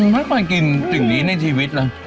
ไม่เคยกินสิ่งนี้ในชีวิตเอ้ย